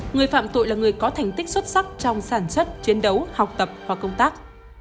người phạm tội là người có thành tích xuất sắc trong sản xuất chiến đấu học tập và công tác